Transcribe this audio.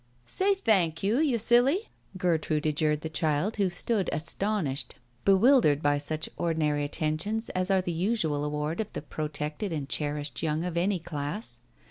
"Say thank you, you silly!" Gertrude adjured the child who stood astonished, bewildered, by such ordinary attentions as are the usual award of the protected and cherished young of any class.